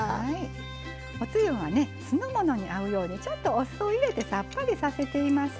おつゆは酢の物に合うようにちょっとお酢を入れてさっぱりさせています。